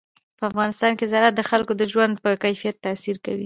په افغانستان کې زراعت د خلکو د ژوند په کیفیت تاثیر کوي.